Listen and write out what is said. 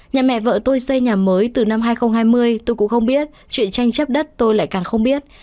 nhà mẹ vợ tôi xây nhà mới từ năm hai nghìn hai mươi tôi cũng không biết chuyện tranh chấp đất tôi lại càng không biết